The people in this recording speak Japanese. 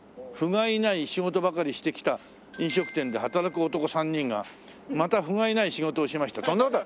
「不甲斐ない仕事ばかりしてきた飲食店で働く男３人」がまた不甲斐ない仕事をしました。